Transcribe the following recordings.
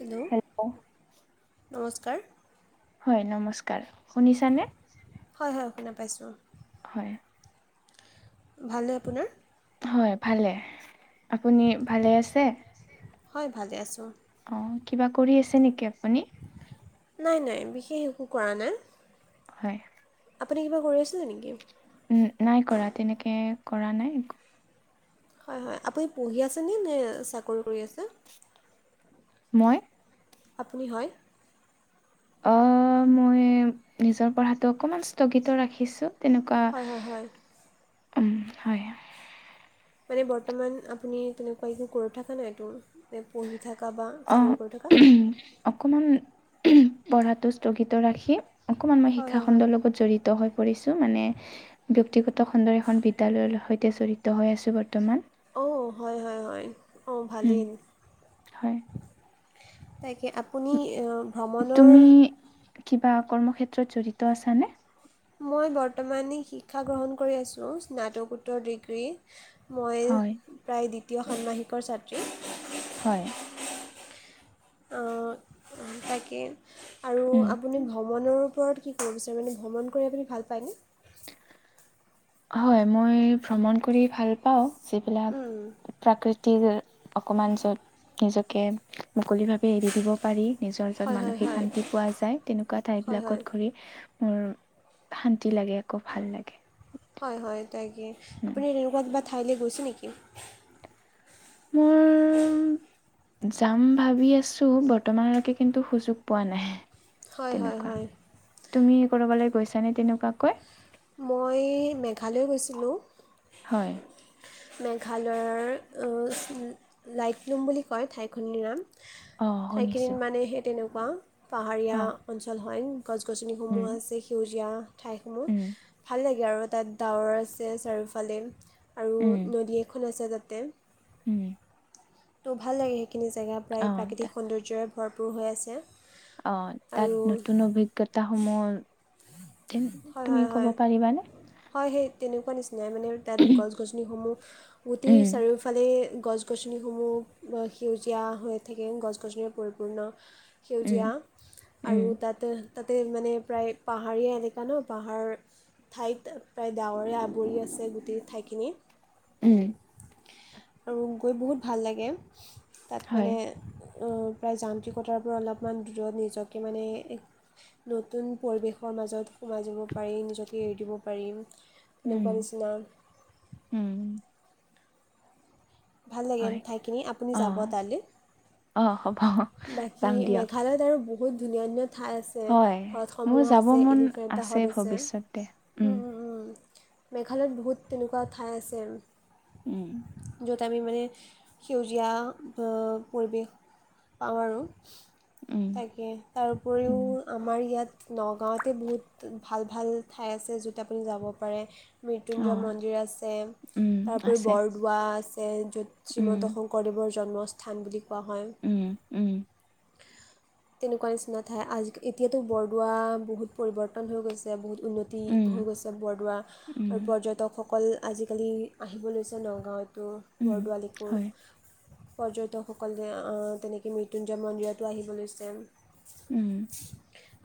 Hello, নমস্কাৰ। হয়, নমস্কাৰ শুনিছানে? হয়, হয়। শুনা পাইছোঁ। হয়। ভালনে আপোনাৰ? হয় ভালে। আপুনি ভালে আছে? হয়। ভালে আছোঁ। অ কিবা কৰি আছে নেকি আপুনি? নাই, নাই। বিশেষ একো কৰা নাই। হয়। আপুনি কিবা কৰি আছিলে নেকি? উম, নাই কৰা। তেনেকে কৰা নাই একো। হয়, হয়। আপুনি পঢ়ি আছে নে চাকৰি কৰি আছে? মই? আপুনি, হয়। অ মই নিজৰ পঢ়াটো অকমান স্থগিত ৰাখিছো। হয় হয় হয় তেনেকুৱা, হয় মানে বৰ্তমান আপুনি তেনেকুৱা একো কৰি থকা নাইতো? পঢ়ি থকা বা অ চাকৰি কৰি থকা? অকমান পঢ়াটো স্থগিত ৰাখি অকমান মই হয় হয় হয় শিক্ষাখণ্ডৰ লগত জড়িত হৈ পৰিছোঁ। মানে দু ব্যক্তিগত খণ্ডৰ এখন বিদ্যালয়ৰ সৈতে জড়িত হৈ আছো বৰ্তমান। অঁ হয়-হয়-হয়। অ উম ভালেই। হয় তাকে আপুনি ভ্ৰমণৰ বা কৰ্মক্ষেত্ৰত জড়িত আছে নে? মই বৰ্তমানে শিক্ষা গ্ৰহণ কৰি আছোঁ, স্নাতকোত্তৰ ডিগ্ৰী। হয়, মই প্ৰায় দ্বিতীয় ষান্মাসিকৰ ছাত্ৰী। হয়। তাকে আৰু উম, আপুনি ভ্ৰমণৰ ওপৰত কি কব বিচাৰে? মানে ভ্ৰমণ কৰি আপুনি ভাল পায়নে? হয়, মই ভ্ৰমণ কৰি ভাল পাওঁ। উম, যিবিলাক প্ৰাকৃতি তিৰ অকণমান য'ত নিজকে মুকলিভাৱে এৰি দিব পাৰি। নিজৰ য'ত হয় হয় মানসিক হয় শান্তি পোৱা যায়। তেনেকুৱা হয় হয় ঠাইবিলাকত ঘূৰি মোৰ শান্তি লাগে আক' ভাল লাগে। হয়, হয়। তাকে। উম, আপুনি তেনেকুৱা কিবা ঠাইলে গৈছে নেকি? মোৰ যাম ভাবি আছো, বৰ্তমানলৈকে কিন্তু সুযোগ পোৱা নাই। হয় হয় তেনেকুৱা। হয় তুমি কৰবালে গৈছানে তেনেকুৱাকৈ? মই মেঘালয় গৈছিলোঁ। হয়, মেঘালয়ৰ লাইটলুম বুলি কয় ঠাইখিনিৰ নাম। অ' শুনিছোঁ। ঠাইখিনিত মানে সেই তেনেকুৱা, পাহাৰীয়া অ', অঞ্চল হয়। গছ-গছনিসমূহ উম, আছে, সেউজীয়া ঠাইসমূহ। উম, ভাল লাগে আৰু তাত ডাৱৰ আছে চাৰিওফালে। আৰু উম, নদী এখন আছে তাতে। উম। ত' ভাল লাগে সেইখিনি জেগা। প্ৰায় অ', প্ৰাকৃতিক সৌন্দৰ্যৰে ভৰপূৰ হৈ আছে। অহ তাত আৰু নতুন অভিজ্ঞতাসমূহ হয় তুমি হয় কব হয় পাৰিবানে? হয় সেই তেনেকুৱা নিচিনাই। মানে তাত গছ-গছনিসমূহ গোটেই উম, চাৰিওফালে গছ-গছনি সমূহ সেউজীয়া হৈ থাকে গছ গছনিৰ পৰিপূৰ্ণ উম, সেউজীয়া আৰু উম, তাতে তাতে মানে প্ৰায় পাহাৰীয়া এলেকা ন পাহাৰ ঠাইত প্ৰায় ডাৱৰে আৱৰি আছে গোটেই ঠাইখিনি উম, আৰু গৈ বহুত ভাল লাগে তাত হয়, মানে উম প্ৰায় যান্ত্ৰিকতাৰ পৰা অলপমান দূৰত নিজকে মানে এহ নতুন পৰিৱেশৰ মাজত সোমাই যাব পাৰি নিজকে এৰি দিব পাৰিম উম, এনেকুৱা নিচিনা উম, ভাল লাগে হয়, ঠাইখিনি আপুনি যাব অ', তালৈ অ', হ'ব বাকী যাম দিয়ক, মেঘালয়ত আৰু বহুত ধুনীয়া ধুনীয়া ঠাই আছে। হয়, মোৰ হ্ৰদসমূহ যাব আছে মন এলিফেণ্টা হ্ৰদ আছে ভৱিষ্যতে, উম, মেঘালয়ত বহুত তেনেকুৱা ঠাই আছে উম য'ত আমি মানে সেউজীয়া পৰিৱেশ পাওঁ আৰু উম, তাকে তাৰ উপৰিও উম, আমাৰ ইয়াত নগাঁৱতে বহুত ভাল ভাল ঠাই আছে য'ত আপুনি যাব পাৰে। অ', মৃত্যুঞ্জয় মন্দিৰ আছে উম, তাৰোপৰি আছে, বৰদোৱা আছে। য'ত উম, শ্ৰীমন্ত শংকৰদেৱৰ জন্মস্থান বুলি কোৱা হয়। উম, উম, তেনেকুৱা নিচিনা ঠাই আজি এতিয়াতো বৰদোৱা বহুত পৰিৱৰ্তন হৈ গৈছে বহুত উন্নতি উম, হৈ গৈছে বৰদোৱা উম, আৰু পৰ্যটকসক সকল আজিকালি আহিব লৈছে নগাঁৱতো উম, বৰদোৱালিকো। হয়, পৰ্যটকসকলে আ তেনেকে মৃত্যুঞ্জয় মন্দিৰতো আহিব লৈছে। উম।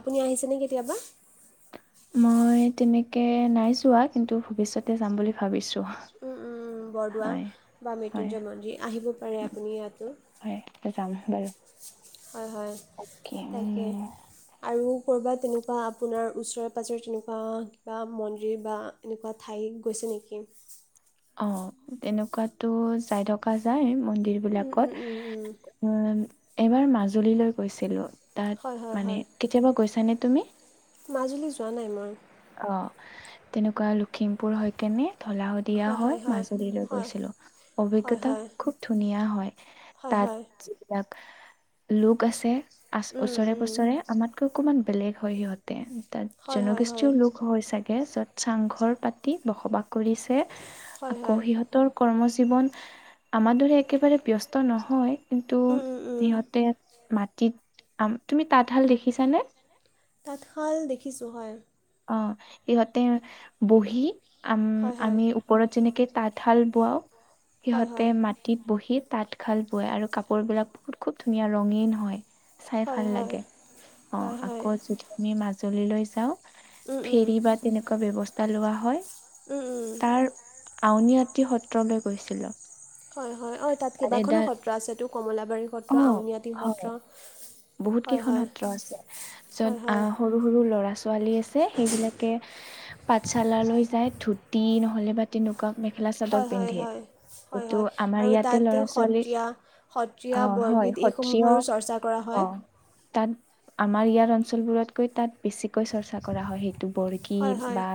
আপুনি আহিছেনে কেতিয়াবা। মই তেনেকে নাই যোৱা কিন্তু ভৱিষ্যতে যাম বুলি ভাবিছোঁ। উম উম বৰদোৱা হয়, বা হয়, মৃত্যুঞ্জয় মন্দিৰ আহিব পাৰে আপুনি ইয়াতো। হয় যাম বাৰু। হয় হয় কি তাকে উম, আৰু কৰ'বাত তেনেকুৱা আপোনাৰ ওচৰে - পাজৰে তেনেকুৱা কিবা মন্দিৰ বা এনেকুৱা ঠাই গৈছে নেকি। অ তেনেকুৱাতো যাই থকা যায় মই সেইবিলাকত উম, উম, উম। উম এইবাৰ মাজুলীলৈ গৈছিলো। তাত হয় হয় মানে হয় কেতিয়াবা গৈছানে তুমি। মাজুলী যোৱা নাই মই। অ', তেনেকুৱা লখিমপুৰ হয় কেনে ঢলা শদিয়া হয় মাজুলীলৈ হয় গৈছিলো হয় হয় অভিজ্ঞতা হয় খুব ধুনীয়া হয়। হয় তাত হয় যিবিলাক লোক আছে। আচ উম ওচৰে উম পোছৰে আমাতকৈ অকমান বেলেগ হয় সিহঁতে। তাত হয় হয় জনগোষ্ঠীও হয় লোক হয় চাগে য'ত চাংঘৰ পাতি বসবাস কৰি হয় আকৌ হয় সিহঁতৰ কৰ্ম জীৱন আমাৰ দৰে একেবাৰে ব্যস্ত স্ত নহয় কিন্তু উম উম উম সিহঁতে মাটিত আ তুমি তাঁতশাল দেখিছানে। তাঁতশাল দেখিছোঁ হয়। অ ইহঁতে। বহি আম হয় হয় আমি ওপৰত যেনেকে তাঁতশাল বোৱাও। হয় হয় সিহঁতে মাটিত বহী। তাঁতশাল বয় আৰু কাপোৰ বিলাক বহুত খুব ধুনীয়া ৰঙীন হয়। চাই হয় ভাল হয় লাগে অ হয় হয় আকৌ যদি আমি মাজুলীলৈ যাওঁ। উম উম ফেৰী বা তেনেকুৱা ব্যৱস্থা লোৱা হয়। উম উম। তাৰ আউনীআটী সত্ৰলৈ গৈছিলো। হয় -হয় -হয় অ'তাত তাত কেইবাখনো এডাল সত্ৰ আছেতো কমলাবাৰী অ সত্ৰ, আউনীআটী হয় সত্ৰ বহুত হয় কেইখন হয় সত্ৰ আছে হয় য'ত হয় আহ সৰু - সৰু ল'ৰা -ছোৱালী আছে সেইবিলাকে পাঠশালালৈ যায় ধুতি নহলে বা তেনেকুৱা মেখেলা চাদৰ হয় -হয় পিন্ধে -হয় -হয় এইটো -হয় আমাৰ আৰু ইয়াতে তাত ল'ৰা ছোৱালী সত্ৰীয়া- সত্ৰীয়া অ হয় বৰগীত সত্ৰীয় এইসমূহৰো চৰ্চা কৰা অ হয়। তাত আমাৰ ইয়াৰ অঞ্চলবোৰতকৈ তাত বেছিকৈ চৰ্চা কৰা হয় সেই হয় বৰগীত হয় বা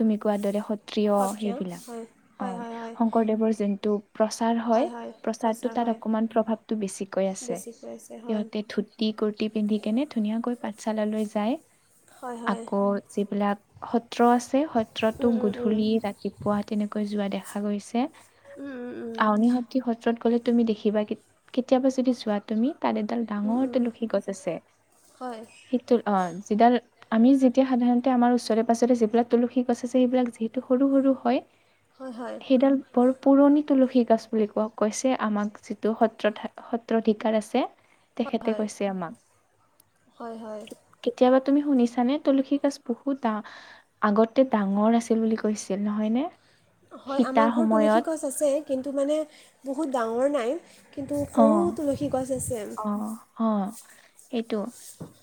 তুমি কোৱাৰ দৰে সত্ৰিয় সত্ৰীয়া সেইবিলাক হয় হয় হয় অ' শংকৰদেৱৰ জোনটো প্ৰচাৰ হয় প্ৰচাৰটো তাত অকণমান প্ৰভাৱটো বেছিকৈ আছে বেছিকৈ আছে হয় সিহঁত ধুতি -কুৰ্তি পিন্ধি কেনে ধুনীয়াকৈ পাঠশালালৈ যায় হয় হয় আকৌ যিবিলাক সত্ৰ সত্ৰ আছে সত্ৰতো উম উম উম গধূলি -ৰাতিপুৱা তেনেকৈ যোৱা দেখা গৈছে। উম উম আউনীআটি সত্ৰত গ'লে তুমি দেখিবা কেতিয়াবা যদি যোৱা তুমি তাৰে উম ডাঙৰ উম তুলসী গছ আছে, হয় সেইটোৰ অন্স যিডাল আমি যেতিয়া সাধাৰণতে আমাৰ ওচৰে-পাজৰে যিবিলাক তুলসী গছ আছে সেইবিলাক যিহেতু সৰু-সৰু হয় হয়, -হয়। সেইডাল বৰ পুৰণি তুলসী গছ বুলি ক কৈছে আমাক যিটো সত্ৰ- সত্ৰধিকাৰ আছে। হয় তেখেতে কৈছে আমাক হয় হয় হয় [inaudible] কেতিয়াবা তুমি শুনিছানে তুলসী গছ বহুতা আগতে ডাঙৰ নাছিল বুলি কৈছিল নহয় নে? হয়, আমাৰ ঘৰত তুলসী গছ আছে কিন্তু মানে বহুত ডাঙৰ নাই কিন্তু সৰু তুলসী গছ আছে [unintelligible] অহ। সেইটো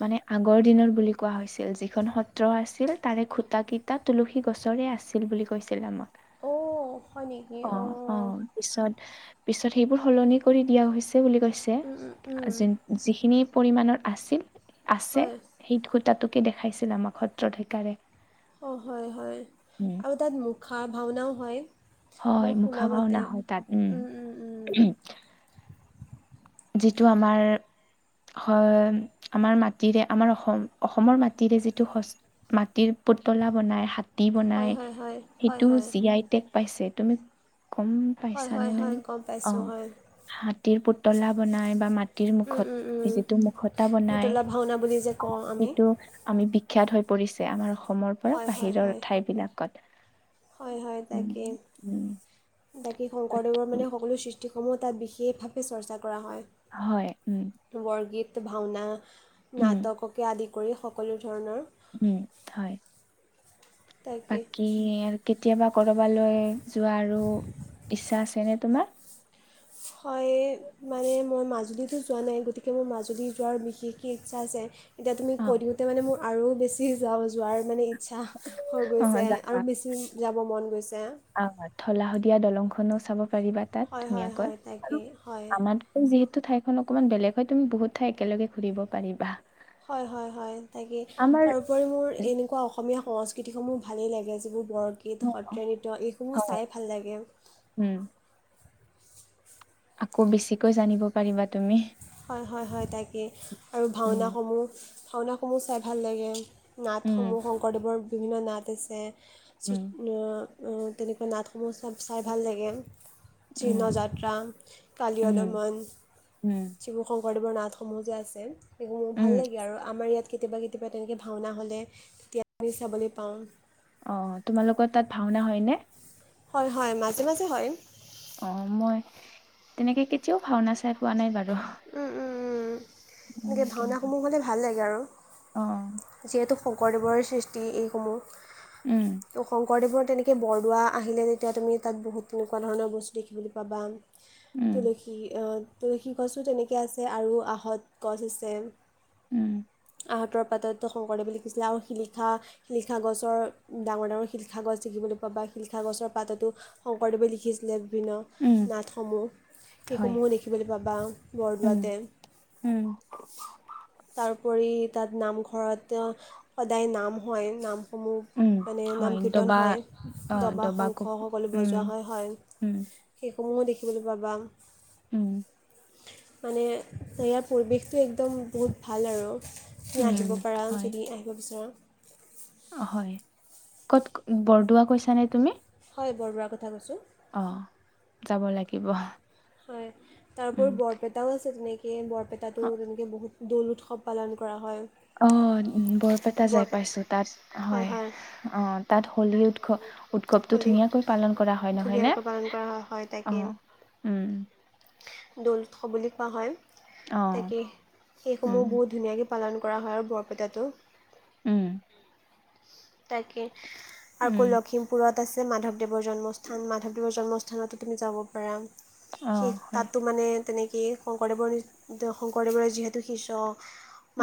মানে আগ আগৰ দিনত বুলি কোৱা হৈছিল যিখন সত্ৰ আছিল তাৰে খুটা কেইটা তুলসী গছৰে আছিল বুলি কৈছিলে আমাক। অউ - হ। অহ-অহ পিছত পিছত সেইবোৰ সলনি কৰি দিয়া হৈছে বুলি কৈছে অঁ যে - জিখিনি পৰিমাণৰ আছিল আছে হয় সেই খুটাটোকে দেখাইছিল আমাক সত্ৰাধিকাৰে [unintelligible] অহ, হয়-হয় আৰু তাত মুখা ভাওনাও হয়। হয়, মই মুখা ভাওনা শুনামতে হয় তাত উম- উমহ যিটো আমাৰ হয় আমাৰ মাটিৰে আমাৰ অসম অসমৰ মাটিৰে যিটো [unintelligible] মাটিৰ পুতলা বনাই, হাতী হয় বনাই, হয় হয় হয় সেইটো হয় জি আই টেক পাইছে তুমি গম হয় পাইছা হয় নে নাই হয় গম পাইছোঁ অহ হয় হাতীৰ পুত তলা বনাই বা মাটিৰ উম মুখত উম উম যিটো মুখতা বনাই পুতলা ভাওনা বুলি যে কওঁ আমি সেইটো আমি বিখ্যাত হৈ পৰিছে আমাৰ অসমৰ পৰা বাহিৰৰ ঠাইবিলাকত। হয়-হয় তাকে [inaudible] বাকী শংকৰদেৱৰ বাকী মানে সকলো সৃষ্টি এইটো সমূহ তাত বিশেষভাৱে চৰ্চা কৰা হয় হয় উম বৰগীত -ভাওনা উম নাটককে আদি কৰি সকলো ধৰণৰ উম, হয়। তাকে বাকি আৰু কে কেতিয়াবা কৰ'বালৈ যোৱাৰো ইচ্ছা আছেনে তোমাৰ? হয়, মানে মই মাজুলীতো যোৱা নাই গতিকে মোৰ মাজুলী যোৱাৰ বিশেষকে ইচ্ছা আছে। এতিয়া তুমি অ কৈ দিওঁতে মানে মোৰ আৰু বেছি যাওঁ যোৱাৰ মানে ইচ্ছা হৈ অ গৈছে যাবা আৰু বেচি যাব মন গৈছে। আহ ধলা শদিয়া দলংখনো চাব পাৰিবা তাত হয় হয় ধুনীয়াকৈ হয় আৰু তাকেই হয় আমাতকৈ যিহেতু ঠাইখন অকনমান বেলেগ হয় তুমি বহুত ঠাই একেলগ ঘুৰিব পাৰিবা। হয়-হয়-হয় তাকে আমাৰ তাৰোপৰি মোৰ এনেকুৱা অসমীয়া সংস্কৃতিসমূহ ভালে লাগে যিবোৰ বৰগীত সত্ৰীয়া নৃত্য এইসমূহ হয় চাই ভাল লাগে উম, আকৌ বেছিকৈ জানিব পাৰিবা তুমি হয়-হয়-হয় তাকে আৰু উম, ভাওনাসমূহ ভাওনাসমূহ চাই ভাল লাগে উম, নাটসমূহ শংকৰদেৱৰ বিভিন্ন নাট আছে উম, তেনেকুৱা নাটসমূহ চাই ভাল লাগে। উম, চিহ্নযাত্ৰা, কালীয়া উম, দমন উম, যিবোৰ শংকৰদেৱৰ নাটসমূহ যে আছে সেইসমূহ ভাল উম। লাগে আৰু আমাৰ ইয়াত কেতিয়াবা-কেতিয়াবা তেনেকৈ ভাওনা হ'লে তেতিয়া আমি চাবলৈ পাওঁ। অ তোমালোকৰ তাত ভাওনা হয় নে? হয়-হয় মাজে-মাজে হয়। অঁ মই তেনেকে কেতিয়াও ভাওনা চাই পোৱা নাই বাৰু উম-উম-উম উম, এনেকে কেনেকুৱা ভাওনাসমূহ হলে ভাল লাগে আৰু অ', যিহেতু শংকৰদেৱৰ সৃষ্টি এইসমূহ উম, ত' শংকৰদেৱৰ তেনেকৈ বৰদোৱা আহিলে তেতিয়া তুমি তাত বহুত তেনেকুৱা ধৰণৰ বস্তু দেখিবলৈ পাবা। উম, তুলসী তুলসী গছো তেনেকে আছে আৰু আহত গছ আছে। উম। আহঁতৰ পাততো শংকৰদেৱ লিখিছিলে আৰু শিলিখা শিলিখা গছৰ ডাঙৰ ডাঙৰ শিলিখা গছ - বা শিলিখা গছৰ পাততো শংকৰদেৱে লিখিছিলে। বিভিন্ন উম, নাটসমূহ হয়, সেইসমূহো দেখিবলৈ পাবা। উম, বৰদোৱাতে। উম, তাৰ কৰি তাত নামঘৰত সদায় নাম হয় নাম। উম, সমূহ মানে হয়, নাম কীৰ্তন দবা হয় অ', দবা শংখ কোপ সকলো উম, বজোৱা হয় হয়। উম, সেইসমূহো দেখিবলৈ পাবা। উম। মানে ইয়াৰ পৰিৱেশটো একদম বহুত ভাল আৰু। ম উম, আহিব পাৰা হয়, যদি আহিব বিচৰা। অ', হয়। কত বৰদোৱা কৈছা নে তুমি? বৰদুৱাৰ কথা কৈছো। অ যাব লাগিব। হয় তাৰ উপৰি উম, বৰপেটাও আছে তেনেকে বৰপেটাটো তেনেকৈ বহুত, দৌল উৎসৱ পালন কৰা হয়। অ। বৰপেটা যাই পাইছো, তাত হয়, অ তাত হোলী উৎসৱ উৎসৱটো ধুনীয়া হলী ধুনীয়াকৈ পালন কৰা হয় নহয় নে, ধুনীয়াকৈ পালন কৰা হয় হয় অ তাকে উম। দৌল উৎসৱ বুলি কোৱা হয়। অ', তাকে উম, সেইসমূহ বহুত ধুনীয়াকৈ পালন কৰা হয় আৰু বৰপেটাটো। উম। তাকে আকৌ উম, লখিমপুৰত আছে মাধৱদেৱৰ জন্মস্থান। মাধৱদেৱৰ জন্মস্থান থানাতো তুমি যাব পাৰা। সেই অ', হয়, তাতো মানে তেনেকেই শংকৰদেৱৰ শংকৰদেৱৰে যিহেতু শিষ্য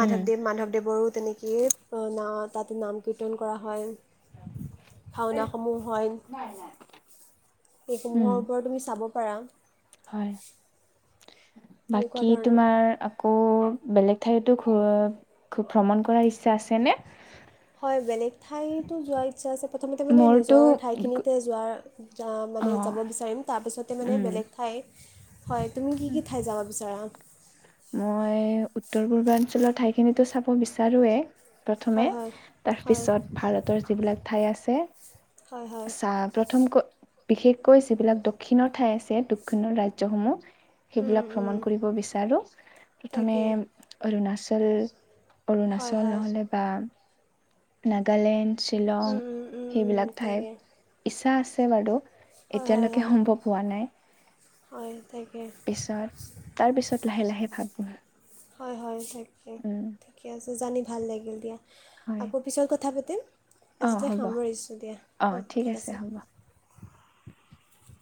উম, মাধৱদেৱৰো তেনেকেই ন তাতে নাম কীৰ্তন কৰা হয়। ভাওনাসমূহ হয়। উম, সেইসমূহৰ ওপৰত তুমি চাব পাৰা। হয় তেনেকুৱা বাকী ধৰণৰ তোমাৰ আকৌ, বেলেগ ঠাইতো খুব ভ্ৰমণ কৰ ইচ্ছা আছেনে? হয় বেলেগ ঠাইতো যোৱাৰ ইচ্ছা আছে। প্ৰথমতে মানে মোৰতো নিজৰ ঠাইখিনিতে যোৱাৰ, য মানে অ', যাব বিচাৰিম। তাৰপিছতে মানে উম, বেলেগ ঠাই হয়। তুমি কি কি ঠাই যাব বিচাৰা? মই বিচাৰোয়ে, প্ৰথমে হয় হয় হয় তাৰপিছত ভাৰতৰ যিবিলাক ঠাই আছে। হয় হয় চ প্ৰথম ক [unintelligible] বিশেষকৈ যিবিলাক দক্ষিণৰ ঠাই আছে, দক্ষিণৰ ৰাজ্সমূহ উম, উম, সেইবিলাক উম, ভ্ৰমণ কৰিব বিচাৰো। প্ৰথমে তাকে অৰুণাচল, হয় অৰুণাচল হয় নহলে বা নাগালেণ্ড, শ্বিলং উম, উম, উম, উম, সেইবিলাক ঠাইত তাকে ইচ্ছা আছে বাৰু। হয় হয় এতিয়ালৈকে হয় সম্ভৱ হোৱা নাই। হয় তাকে পিছত তাৰ পিছত লাহে লাহে ভাবো। হয় হয় তাকে ঠিকে আছে জানি ভাল লাগিল দিয়া। হয় আকৌ পিছত কথা পাতিম। অ আজিলৈ হ'ব সামৰিছোঁ দিয়া অঁ ঠিক আছে। [unintelligible]